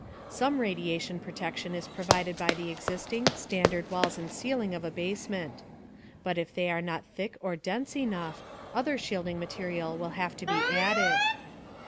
Some radiation protection is provided by the existing, standard walls and ceiling of a basement. But if they are not thick or dense enough, other shielding material will have to be added.